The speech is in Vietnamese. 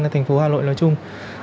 thành phố hà nội nói chung